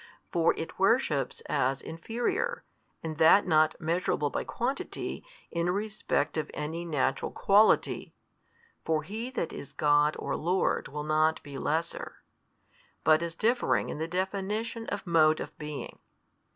For it worships as inferior, and that not |216 measurable by quantity, in respect of any natural quality (for He That is God or Lord will not be lesser), but as differing in the definition of mode of being.